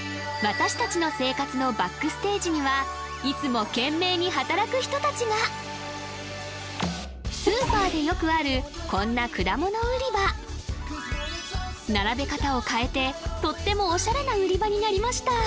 私達の生活のＢＡＣＫＳＴＡＧＥにはいつも懸命に働く人達がスーパーでよくあるこんな果物売り場並べ方を変えてとってもオシャレな売り場になりました